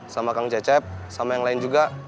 sama kang cecep sama yang lain juga